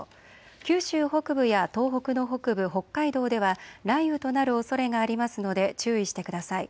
九州北部や東北の北部、北海道では雷雨となるおそれがありますので注意してください。